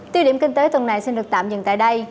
tiêu điểm kinh tế tuần này xin được tạm dừng tại đây